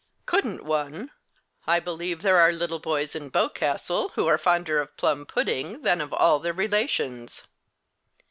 "Couldn't one! I believe there are little boys in Boscastle who are fonder of plum pudding than of all their relations."